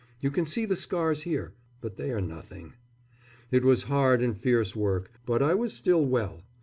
You can see the scars here but they are nothing. It was hard and fierce work; but I was still well.